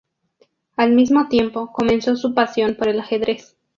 Al mismo tiempo, comenzó su pasión por el ajedrez.